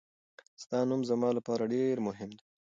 ستاسو نوم زما لپاره ډېر مهم دی.